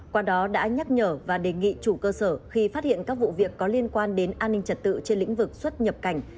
qua đó đã nhắc nhở và đề nghị chủ cơ sở khi phát hiện các vụ việc có liên quan đến an ninh trật tự trên lĩnh vực xuất nhập cảnh